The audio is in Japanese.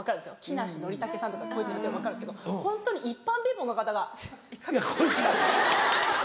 木梨憲武さんとかこういうのやってるの分かるんですけどホントに一般ピープルの方が。